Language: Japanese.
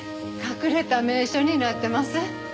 隠れた名所になってます。